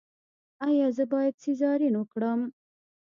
ایا زه باید سیزارین وکړم؟